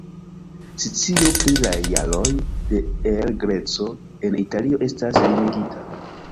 Scio pri la jaroj de El Greco en Italio estas limigita.